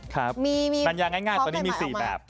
ครับดันยางง่ายตอนนี้มี๔แบบ